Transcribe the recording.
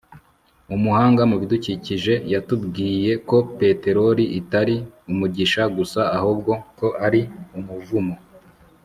Umuhanga mu bidukikije yatuburiye ko peteroli itari umugisha gusa ahubwo ko ari umuvumo